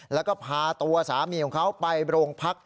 แล้วก็พาตัวสามีของเขาไปโรงพัก